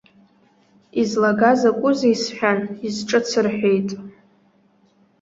Излага закәызеи сҳәан, изҿыц рҳәеит.